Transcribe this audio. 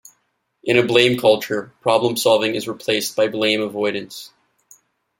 In a blame culture, problem-solving is replaced by blame-avoidance.